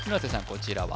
こちらは？